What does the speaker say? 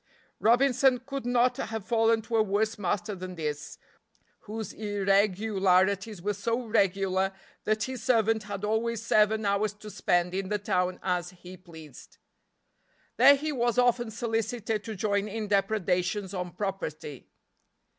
Robinson could not have fallen to a worse master than this, whose irregularities were so regular that his servant had always seven hours to spend in the town as he pleased. There he was often solicited to join in depredations on property.